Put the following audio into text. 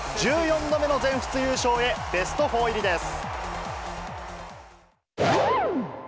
１４度目の全仏優勝へ、ベスト４入りです。